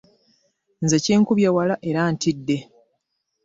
Nze kinkubye wala era ntidde.